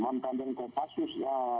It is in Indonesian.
mantan dan kopassus